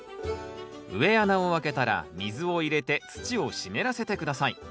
植え穴をあけたら水を入れて土を湿らせて下さい。